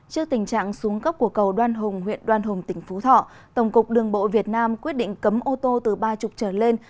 trước tình trạng xuống cấp của cầu đoan hùng huyện đoan hùng tỉnh phú thọ tổng cục đường bộ việt nam quyết định cấm ô tô từ ba mươi trở lên